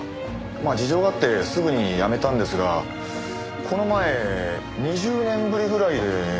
まあ事情があってすぐに辞めたんですがこの前２０年ぶりぐらいで顔を出して。